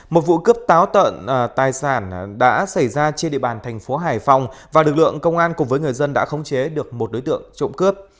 một vụ cướp táo tợn tài sản đã xảy ra trên địa bàn thành phố hải phòng và lực lượng công an cùng với người dân đã khống chế được một đối tượng trộm cướp